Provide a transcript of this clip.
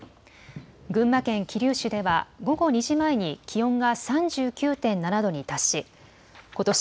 群馬県桐生市では午後２時前に気温が３９．７度に達しことし